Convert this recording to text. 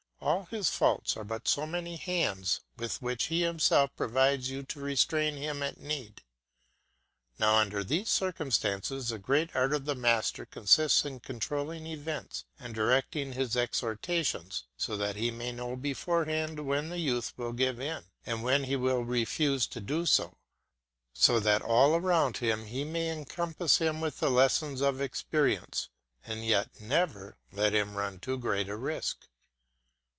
All his faults are but so many hands with which he himself provides you to restrain him at need. Now under these circumstances the great art of the master consists in controlling events and directing his exhortations so that he may know beforehand when the youth will give in, and when he will refuse to do so, so that all around him he may encompass him with the lessons of experience, and yet never let him run too great a risk.